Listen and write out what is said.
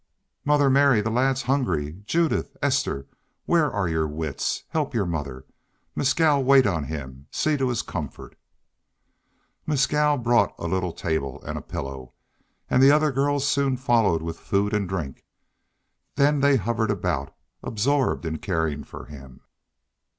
"Mother Mary, the lad's hungry. Judith, Esther, where are your wits? Help your mother. Mescal, wait on him, see to his comfort." Mescal brought a little table and a pillow, and the other girls soon followed with food and drink; then they hovered about, absorbed in caring for him.